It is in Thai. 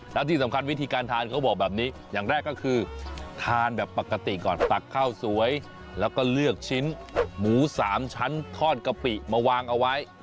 ปกติก่อนตักข้าวสวยแล้วก็เลือกชิ้นหมูสามชั้นทอดกะปิมาวางเอาไว้